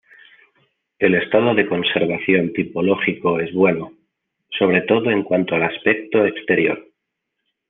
El estado de conservación tipológico es bueno, sobre todo en cuanto al aspecto exterior.